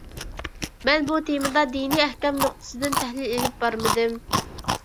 مەن بۇ تېمىدا دىنىي ئەھكام نۇقتىسىدىن تەھلىل ئېلىپ بارمىدىم.